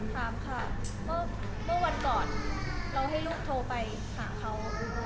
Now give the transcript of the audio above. ถามค่ะเมื่อวันก่อนเราให้ลูกโทรไปหาเขา